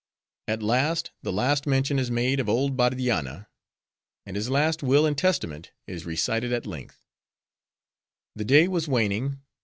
At Last, The Last Mention Is Made Of Old Bardianna; And His Last Will And Testament Is Recited At Length The day was waning.